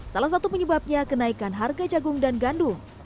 salah satu penyebabnya kenaikan harga jagung dan gandum